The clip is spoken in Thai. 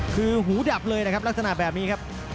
คือหูดับเลยนะครับลักษณะแบบนี้ครับ